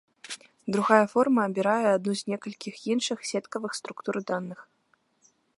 Другая форма абірае адну з некалькіх іншых сеткавых структур даных.